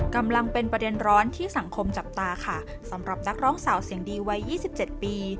กำลังเป็นประเด็นร้อนที่สังคมจับตาค่ะสำหรับนักร้องสาวเสียงดีวัย๒๗ปี